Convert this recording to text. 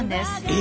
え